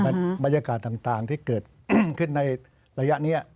บรรยากาศต่างที่เกิดขึ้นในระยะนี้